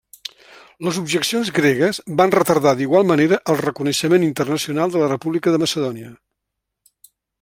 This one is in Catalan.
Les objeccions gregues van retardar d'igual manera el reconeixement internacional de la República de Macedònia.